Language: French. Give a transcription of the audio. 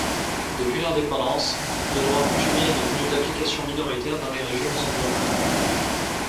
Depuis l'indépendance, le droit coutumier est devenu d'application minoritaire dans les régions anglophones.